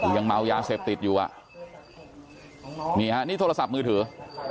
ยังเมายาเสพติดอยู่อ่ะนี่ฮะนี่โทรศัพท์มือถือ